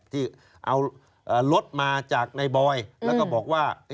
ที่เอารถมาจากในบอยแล้วก็บอกว่า